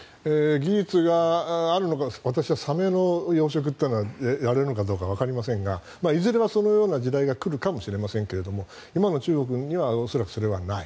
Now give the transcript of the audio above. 技術があるのか私はサメの養殖はやれるのかどうかはわかりませんがいずれはそのような時代が来るかもしれませんけども今の中国には恐らくそれはない。